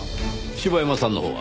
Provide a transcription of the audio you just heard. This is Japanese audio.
柴山さんのほうは？